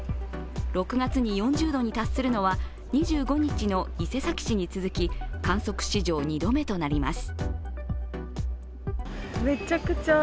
６月に４０度に達するのは２５日の伊勢崎市に続き観測史上２度目となります。